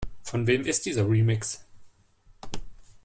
Von wem ist dieser Remix?